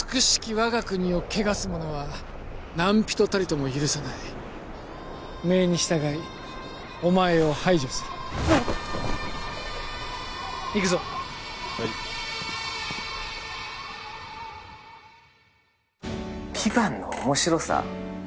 我が国を汚す者は何人たりとも許さない命に従いお前を排除する行くぞはい「ＶＩＶＡＮＴ」の面白さ？